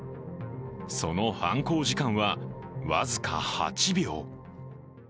その犯行時間は、僅か８秒。